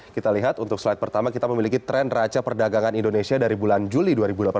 kita lihat untuk slide pertama kita memiliki tren raca perdagangan indonesia dari bulan juli dua ribu delapan belas